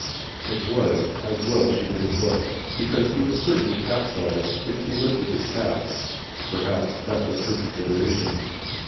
It was as well she didn't look, because he would certainly capsize if he lifted his cap. Perhaps that was her consideration.